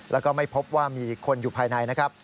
แล้วก็ไม่พบว่ามีคนอยู่ภายในนะครับ